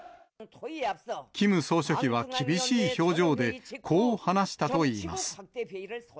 キム総書記は厳しい表情で、こう話したといいます。